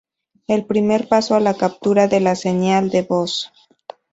El primer paso es la captura de la señal de voz.